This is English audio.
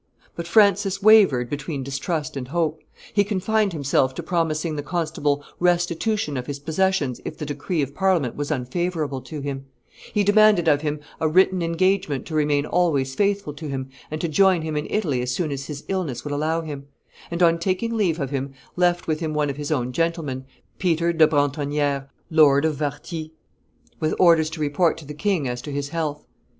But Francis wavered between distrust and hope; he confined himself to promising the constable restitution of his possessions if the decree of Parliament was unfavorable to him; he demanded of him a written engagement to remain always faithful to him and to join him in Italy as soon as his illness would allow him; and, on taking leave of him, left with him one of his own gentlemen, Peter de Brentonniere, Lord of Warthy, with orders to report to the king as to his health.